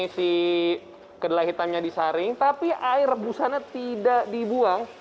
si kedelai hitamnya disaring tapi air rebusannya tidak dibuang